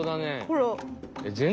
ほら。